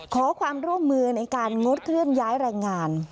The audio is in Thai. ขอความร่วมมือในการงดเคลื่อนย้ายแรงงาน